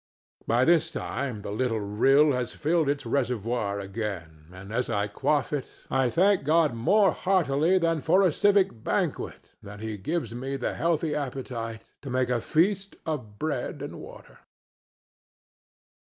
By this time the little rill has filled its reservoir again, and as I quaff it I thank God more heartily than for a civic banquet that he gives me the healthful appetite to make a feast of bread and water.